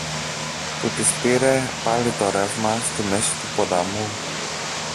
που τις πήρε πάλι το ρεύμα στη μέση του ποταμού.